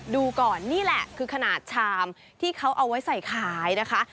ดูก่อนนี่แหละคือขนาดชามที่เขาเอาไว้ใส่ขายนะคะ